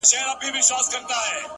ستا د غزلونو و شرنګاه ته مخامخ يمه-